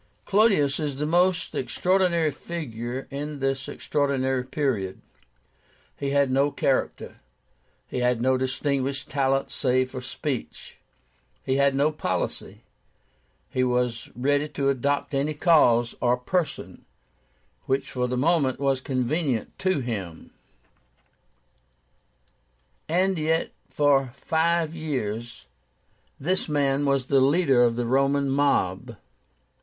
"Clodius is the most extraordinary figure in this extraordinary period. He had no character. He had no distinguished talent save for speech; he had no policy; he was ready to adopt any cause or person which for the moment was convenient to him; and yet for five years this man was the leader of the Roman mob.